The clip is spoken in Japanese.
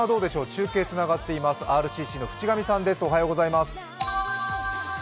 中継がつながっています、ＲＣＣの渕上さんです。